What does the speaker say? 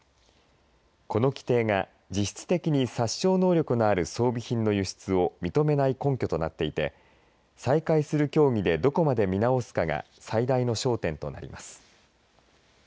この規定が実質的に殺傷能力のある装備品の輸出を認めない根拠となっていて再開する協議でどこまで見直すかが最大の焦点となります。